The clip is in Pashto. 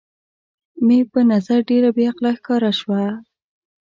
مې په نظر ډېره بې عقله ښکاره شول.